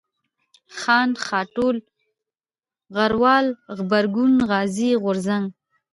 خان ، غاټول ، غروال ، غبرگون ، غازي ، غورځنگ